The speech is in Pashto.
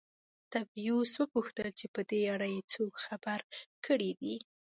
تبریوس وپوښتل چې په دې اړه یې څوک خبر کړي دي